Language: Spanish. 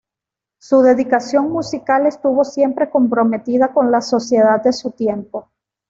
Su dedicación musical estuvo siempre comprometida con la sociedad de su tiempo.